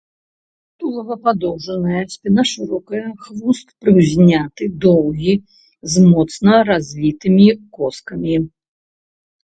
Тулава падоўжанае, спіна шырокая, хвост прыўзняты, доўгі, з моцна развітымі коскамі.